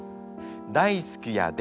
大好きやで。